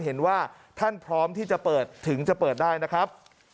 เห็นว่าท่านพร้อมที่จะเปิดถึงจะเปิดได้นะครับ